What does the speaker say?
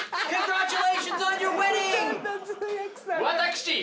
私。